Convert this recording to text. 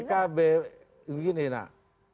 pkb begini nak